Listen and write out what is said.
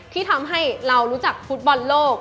ที่ทำให้เรารู้จักฟุตบอลโลก